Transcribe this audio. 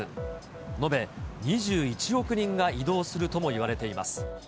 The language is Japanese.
延べ２１億人が移動するともいわれています。